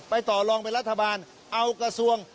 ต่อลองเป็นรัฐบาลเอากระทรวง